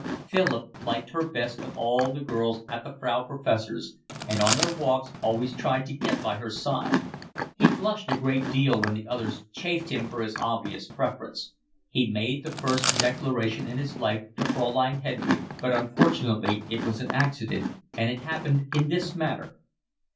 Philip liked her best of all the girls at the Frau Professor's, and on their walks always tried to get by her side. He blushed a great deal when the others chaffed him for his obvious preference. He made the first declaration in his life to Fraulein Hedwig, but unfortunately it was an accident, and it happened in this manner.